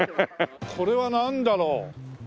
これはなんだろう？